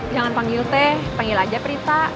jangan panggil teh panggil aja prita